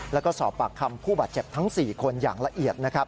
แล้วก็สอบปากคำผู้บาดเจ็บทั้ง๔คนอย่างละเอียดนะครับ